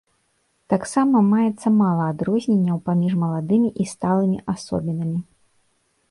Таксама маецца мала адрозненняў паміж маладымі і сталымі асобінамі.